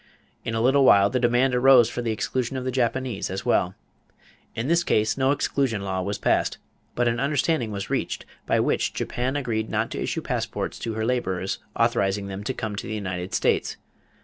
In a little while the demand arose for the exclusion of the Japanese as well. In this case no exclusion law was passed; but an understanding was reached by which Japan agreed not to issue passports to her laborers authorizing them to come to the United States.